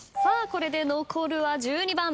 これで残るは１２番。